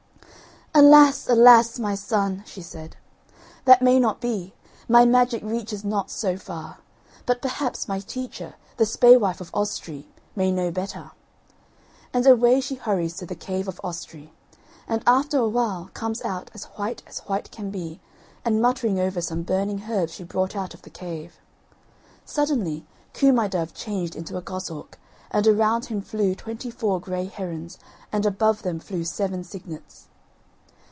"Alas! alas! my son," she said, "that may not be; my magic reaches not so far. But perhaps my teacher, the spaewife of Ostree, may know better." And away she hurries to the cave of Ostree, and after a while comes out as white as white can be and muttering over some burning herbs she brought out of the cave. Suddenly Coo my dove changed into a goshawk and around him flew twenty four grey herons and above them flew seven cygnets.